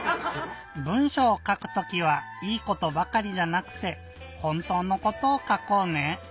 文しょうをかくときはいいことばかりじゃなくてほんとうのことをかこうね！